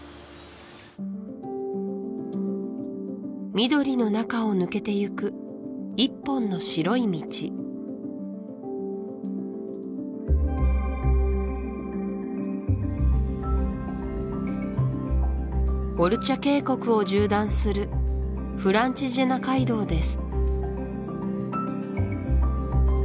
緑の中を抜けていく一本の白い道オルチャ渓谷を縦断するフランチジェナ街道です